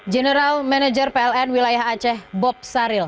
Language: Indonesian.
general manager pln wilayah aceh bob saril